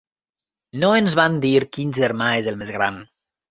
No ens van dir quin germà és el més gran.